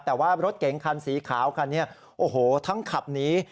แต่ว่ารถเก๋งคันสีขาวคันนี้โอ้โหทั้งขับหนี